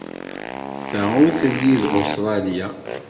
Ta ur telli d Ustṛalya.